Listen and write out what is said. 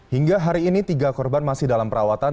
hingga hari ini tiga korban masih dalam perawatan